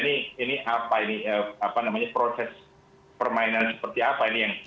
ini apa ini proses permainan seperti apa ini yang